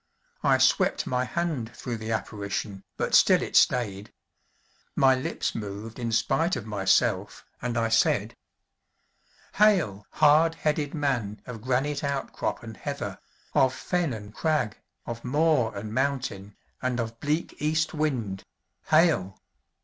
I swept my hand through the apparition, but still it stayed. My lips moved in spite of myself and I said: "Hail! hard headed man of granite outcrop and heather, of fen and crag, of moor and mountain, and of bleak East wind, hail!